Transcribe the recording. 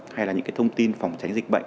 hay là những thông tin phòng tránh dịch bệnh